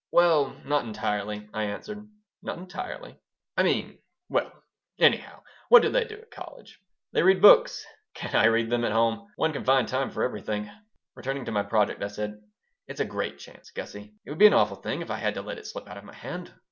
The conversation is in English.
"Well, not entirely," I answered "Not entirely?" "I mean Well, anyhow, what do they do at college? They read books. Can't I read them at home? One can find time for everything." Returning to my new project, I said: "It's a great chance, Gussie. It would be an awful thing if I had to let it slip out of my hand."